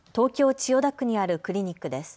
千代田区にあるクリニックです。